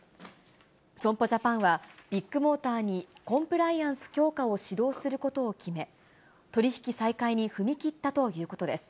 損保ジャパンは、ビッグモーターにコンプライアンス強化を指導することを決め、取り引き再開に踏み切ったということです。